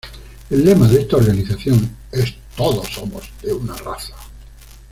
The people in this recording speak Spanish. El lema de esta organización es "Todos somos de una raza.